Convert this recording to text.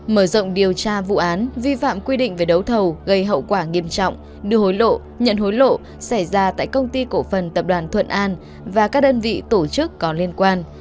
mở rộng điều tra vụ án vi phạm quy định về đấu thầu gây hậu quả nghiêm trọng đưa hối lộ nhận hối lộ xảy ra tại công ty cổ phần tập đoàn thuận an và các đơn vị tổ chức có liên quan